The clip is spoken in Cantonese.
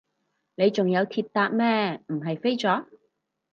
你仲有鐵搭咩，唔係飛咗？